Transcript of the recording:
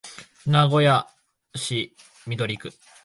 名古屋市緑区